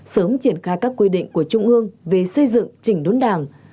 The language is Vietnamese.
sớm triển khai các quy định của trung ương về xây dựng chỉnh đốn đảng